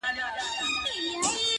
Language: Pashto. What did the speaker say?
د کلې خلگ به دي څه ډول احسان ادا کړې ـ